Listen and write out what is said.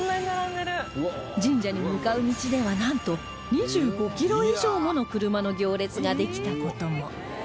神社に向かう道ではなんと２５キロ以上もの車の行列ができた事も